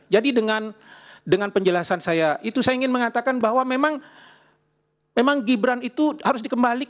jadi dengan penjelasan saya itu saya ingin mengatakan bahwa memang gibran itu harus dikembalikan